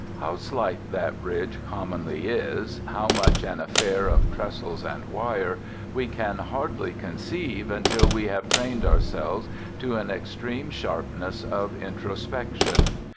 How slight that bridge commonly is, how much an affair of trestles and wire, we can hardly conceive until we have trained ourselves to an extreme sharpness of introspection.